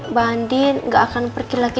mbak andin gak akan pergi lagi